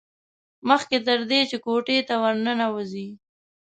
مخکې تر دې چې کوټې ته ور ننوځي.